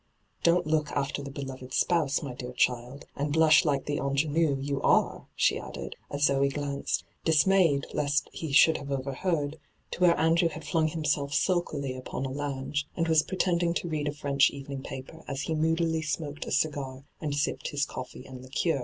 ' Don't look after the beloved spouse, my dear child, and blush like the ingSime you are 1' she added, as Zoe glanced, dismayed lest he should have overheard, to where Andrew had flung himself sulkily upon a lounge, and was pretending to read a French evening paper as he moodily smoked a cigar and sipped his coffee and liqueur.